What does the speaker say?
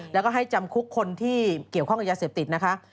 แล้วก็ให้จำคุกคนที่เกี่ยวข้องกับยาเสพติดนะคะ